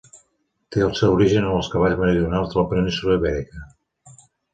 Té el seu origen en els cavalls meridionals de la península Ibèrica.